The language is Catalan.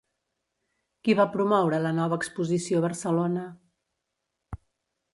Qui va promoure la nova exposició Barcelona?